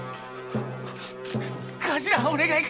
頭お願い！